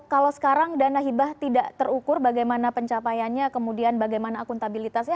kalau sekarang dana hibah tidak terukur bagaimana pencapaiannya kemudian bagaimana akuntabilitasnya